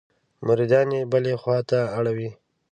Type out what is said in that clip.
مریدان یې بلې خوا ته اړوي.